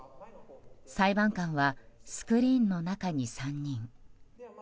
裁判官はスクリーンの中に３人。